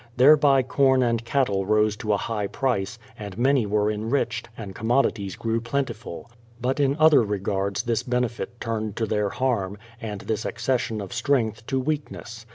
Thereby corn THE PLY^IOUTH SETTLEMENT 243 and cattle rose to a high price, and many were enriched, and commodities grew plentiful. But in other regards this benefit turned to their harm, and this accession of strength to weakness.